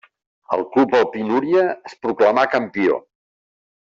El Club Alpí Núria es proclamà campió.